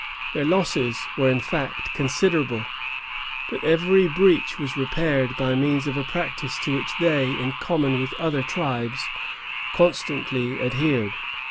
Their losses were, in fact, considerable; but every breach was repaired by means of a practice to which they, in common with other tribes, constantly adhered.